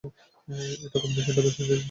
এটার কম্বিনেশনটা বেশ ইন্টারেস্টিং ছিলো।